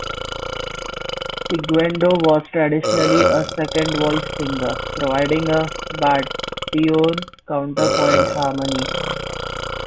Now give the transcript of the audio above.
Segundo was traditionally a "second voice" singer providing a baritone counterpoint harmony.